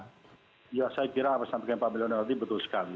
ya saya kira apa yang anda katakan pak maulwino tadi betul sekali